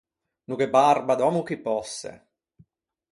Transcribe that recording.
No gh’é barba d’òmmo chi pòsse.